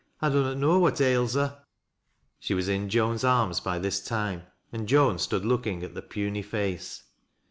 I dunnot know what ails her." She was in Joan's arms by this time and Joan stood looking at the puny face.